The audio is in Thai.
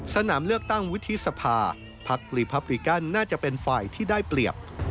สนามเลือกตั้งวุฒิสภาพรีพับริกันน่าจะเป็นฝ่ายที่ได้เปรียบ